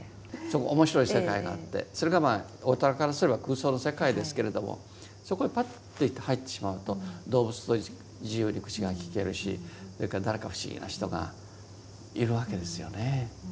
面白い世界があってそれが大人からすれば空想の世界ですけれどもそこへパッと行って入ってしまうと動物と自由に口がきけるしそれから誰か不思議な人がいるわけですよね。